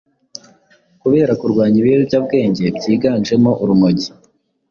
kubera kurwanya ibiyobyabwenge byiganjemo urumogi